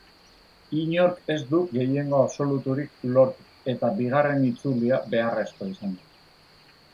Inork ez du gehiengo absoluturik lortu, eta bigarren itzulia beharrezkoa izango da.